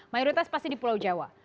mayoritas pasti di pulau jawa